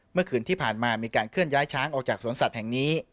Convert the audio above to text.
เมื่อคืนที่ผ่านมามีการเคลื่อนย้ายช้างออกจากสวนสัตว์แห่งนี้